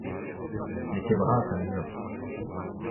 N’eo ket bras al liorzh.